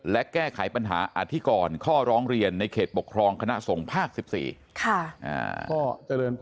และแก้ไขปัญหาอธิกรข้อร้องเรียนในเขตปกครองคณะส่งภาค๑๔